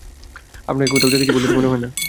আপনাকে কোথাও দেখেছি বলে তো মনে হচ্ছে না।